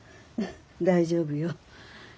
大丈夫よ。